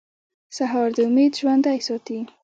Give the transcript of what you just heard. سهار د امید ژوندی ساتي.